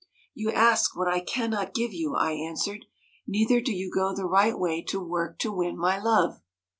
'" You ask what I cannot give you," I answered, " neither do you go the right way to work to win my love."